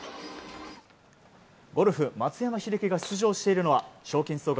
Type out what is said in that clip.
ゴルフ松山英樹が出場しているのは賞金総額